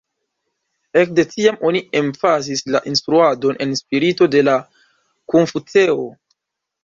Ekde tiam oni emfazis la instruadon en spirito de la Konfuceo.